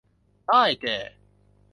ได้แก่